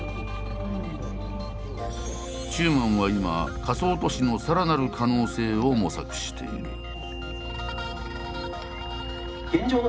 中馬は今仮想都市のさらなる可能性を模索している。